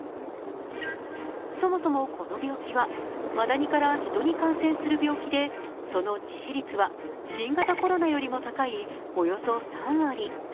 そもそもこの病気は、マダニから人に感染する病気で、その致死率は新型コロナよりも高いおよそ３割。